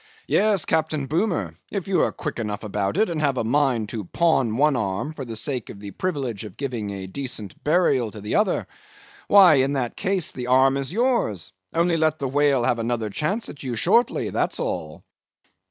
Yes, Captain Boomer, if you are quick enough about it, and have a mind to pawn one arm for the sake of the privilege of giving decent burial to the other, why in that case the arm is yours; only let the whale have another chance at you shortly, that's all."